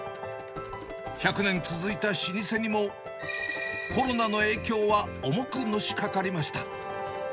１００年続いた老舗にもコロナの影響は重くのしかかりました。